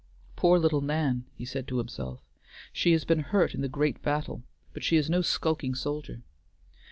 "Poor little Nan," he said to himself, "she has been hurt in the great battle, but she is no skulking soldier."